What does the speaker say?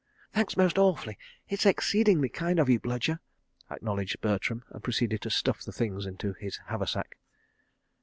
..." "Thanks, most awfully. It's exceedingly kind of you, Bludyer," acknowledged Bertram, and proceeded to stuff the things into his haversack.